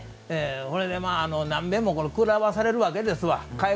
ほれで、なんべんもくらまされるわけですわ。